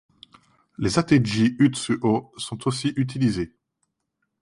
Les ateji 宇津保 sont aussi utilisés.